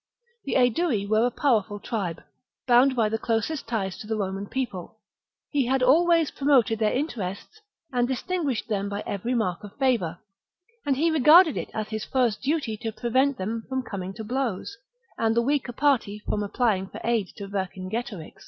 The Aedui were a powerful tribe, bound by the closest ties to the Roman People : he had always pro moted their interests and distinguished them by every mark of favour ; and he regarded it as his first duty to prevent them from coming to blows, and the weaker party from applying for aid to Vercingetorix.